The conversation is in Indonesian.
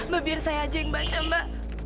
mba biar saya aja yang baca mba